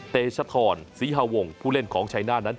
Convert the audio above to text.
เตชธรศรีฮาวงผู้เล่นของชัยหน้านั้น